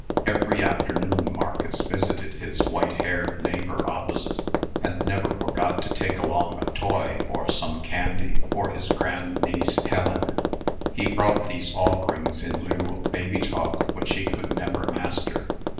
Every afternoon Marcus visited his white haired neighbor opposite, and never forgot to take along a toy, or some candy, for his grandniece Helen. He brought these offerings in lieu of baby talk, which he could never master.